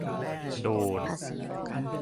โดน